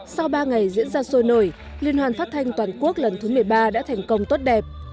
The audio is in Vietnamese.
sau ba ngày diễn ra sôi nổi liên hoan phát thanh toàn quốc lần thứ một mươi ba đã thành công tốt đẹp